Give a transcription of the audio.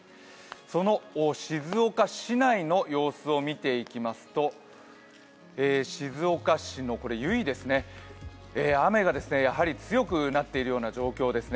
その静岡市内の様子を見ていきますと、静岡市の由比ですね、雨が強くなっているような状況です。